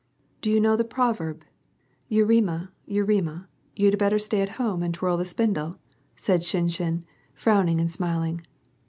" Do you know the proverb, * Yerema, Yerema, you'd better stay at home and twirl the spindle ?" said Shinshin, frowning and smiling.